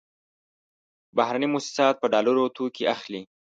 بهرني موسسات په ډالرو توکې اخلي.